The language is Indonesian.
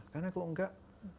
karena kalau enggak